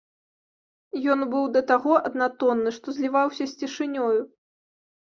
Ён быў да таго аднатонны, што зліваўся з цішынёю.